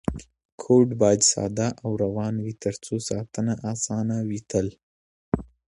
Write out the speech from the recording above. کوډ باید ساده او روان وي ترڅو ساتنه اسانه وي تل.